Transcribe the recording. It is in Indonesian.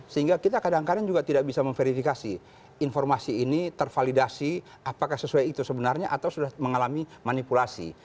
sehingga kita kadang kadang juga tidak bisa memverifikasi informasi ini tervalidasi apakah sesuai itu sebenarnya atau sudah mengalami manipulasi